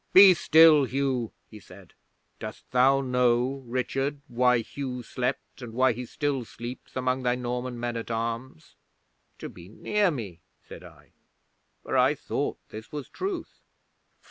Be still, Hugh!" he said. "Dost thou know, Richard, why Hugh slept, and why he still sleeps, among thy Norman men at arms?" '"To be near me," said I, for I thought this was truth.